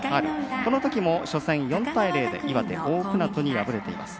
このときも初戦４対０で岩手、大船渡に敗れています。